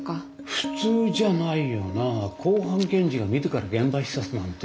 普通じゃないよなあ公判検事が自ら現場視察なんて。